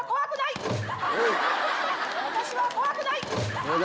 私は怖くない！